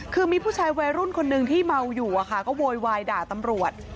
คือมีผู้ชายวัยรุ่นคนหนึ่งที่เมาอยู่อะค่ะก็โวยวายด่าตำรวจ